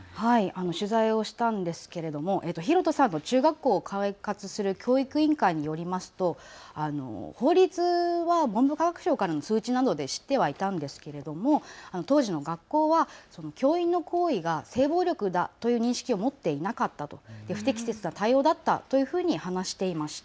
取材をしたんですけれどもヒロトさんの中学校を管轄する教育委員会によりますと法律は文部科学省からの通知などで知ってはいたが当時の学校は教員の行為が性暴力だという認識を持っていなかったと、不適切な対応だったというふうに話していました。